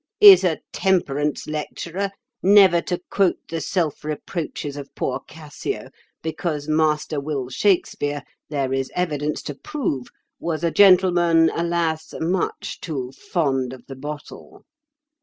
Is a temperance lecturer never to quote the self reproaches of poor Cassio because Master Will Shakespeare, there is evidence to prove, was a gentleman, alas! much too fond of the bottle?